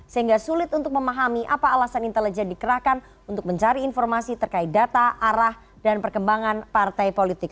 sehingga sulit untuk memahami apa alasan intelijen dikerahkan untuk mencari informasi terkait data arah dan perkembangan partai politik